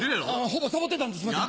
ほぼサボってたんですいません。